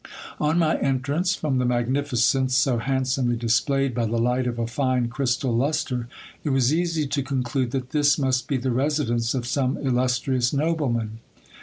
On my entrance, from the magnificence so handsomely displayed by the light of a fine crystal lustre, it was easy to conclude that this must be the residence of some illustrious nobleman.